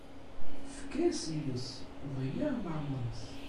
Efk-as iles ḍeyyeɛ leɛmeṛ-is.